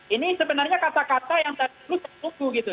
ini sebenarnya kata kata yang dari dulu saya tunggu gitu